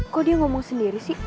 kok dia ngomong sendiri sih